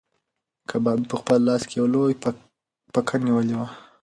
کبابي په خپل لاس کې یو لوی پکی نیولی و.